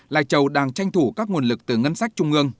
lai châu đang tranh thủ các nguồn lực từ ngân sách trung ương